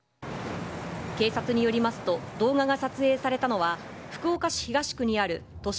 警察によりますと、動画が撮影されたのは、福岡市東区にある都市